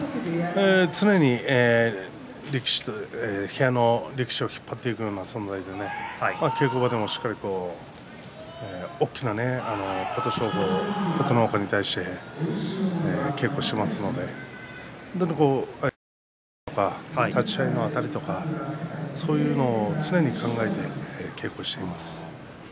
常に部屋の力士を引っ張っていくような存在で稽古場でもしっかり大きな琴勝峰や琴ノ若に対して稽古をしていますので技のきれとか立ち合いのあたりとかそういうことを常に考えて稽古しています。